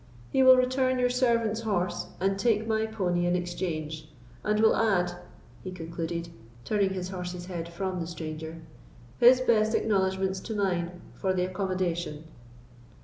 He will return your servant's horse, and take my pony in exchange; and will add," he concluded, turning his horse's head from the stranger, "his best acknowledgments to mine for the accommodation."